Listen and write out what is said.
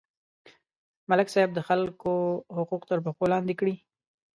ملک صاحب د خلکو حقوق تر پښو لاندې کړي.